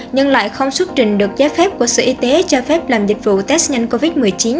nhưng lại không xuất trình được giấy phép của sở y tế cho phép làm dịch vụ test nhanh covid một mươi chín